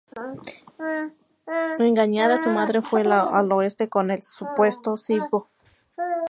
Engañada, su madre fue al oeste con el supuesto Sibö.